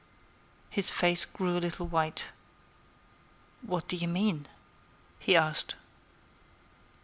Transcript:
His face grew a little white. "What do you mean?" he asked.